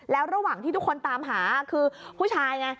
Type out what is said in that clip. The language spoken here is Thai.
แล้วระหว่างที่ทุกคนตามหาคือผู้ชายไง